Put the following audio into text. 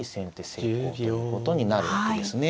成功ということになるわけですね。